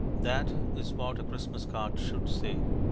'" That is what a Christmas card should say.